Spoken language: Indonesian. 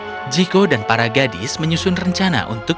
beberapa hari kemudian tiana yang berbahasa inggris menangis